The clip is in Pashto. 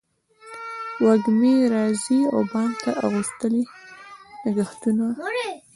وږمې راځي و بام ته اغوستلي نګهتونه